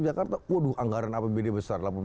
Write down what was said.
jakarta waduh anggaran apbd besar